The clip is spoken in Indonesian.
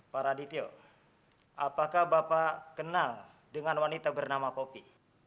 pak radityo apakah bapak kenal dengan wanita bernama kopi